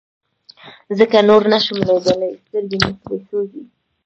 ځکه نور نشم ليدلى سترګې مې پرې سوزي.